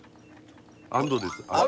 安藤です。